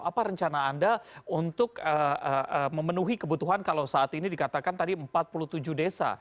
apa rencana anda untuk memenuhi kebutuhan kalau saat ini dikatakan tadi empat puluh tujuh desa